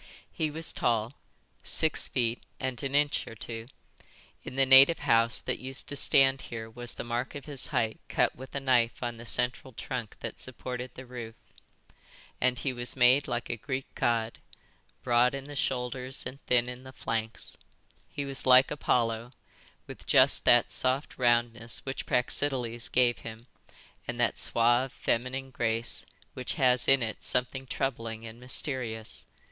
He was tall, six feet and an inch or two—in the native house that used to stand here was the mark of his height cut with a knife on the central trunk that supported the roof—and he was made like a Greek god, broad in the shoulders and thin in the flanks; he was like Apollo, with just that soft roundness which Praxiteles gave him, and that suave, feminine grace which has in it something troubling and mysterious.